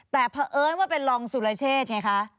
แต่เผอิญว่าเป็นรองสุรเชษฐ์ไงคะ